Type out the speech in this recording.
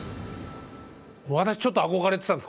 私ちょっと憧れてたんです